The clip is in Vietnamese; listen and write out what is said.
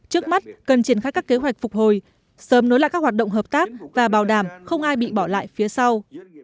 trước mắt cần triển khai các kế hoạch phục hồi sớm nối lại các hoạt động hợp tác và bảo đảm không ai bị bỏ lại phía sau